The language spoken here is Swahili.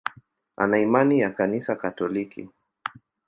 Ana imani ya Kanisa Katoliki.